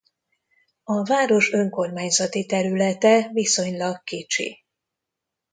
A város önkormányzati területe viszonylag kicsi.